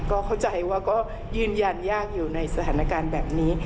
ก็เข้าใจว่าก็ยืนยันยากอยู่ในสถานการณ์แบบนี้